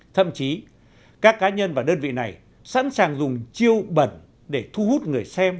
thậm chí các cá nhân và đơn vị này sẵn sàng dùng chiêu bẩn để thu hút người xem